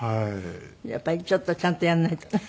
やっぱりちょっとちゃんとやらないとね。